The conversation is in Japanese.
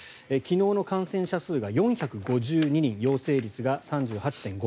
昨日の感染者数が４５２人陽性率が３８．５％。